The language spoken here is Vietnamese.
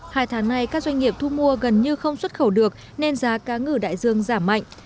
hai tháng nay các doanh nghiệp thu mua gần như không xuất khẩu được nên giá cá ngừ đại dương giảm mạnh